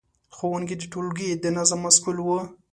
ښوونکي د ټولګي د نظم مسؤل وو.